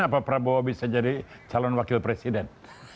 saya akan menjadi calon wakil presiden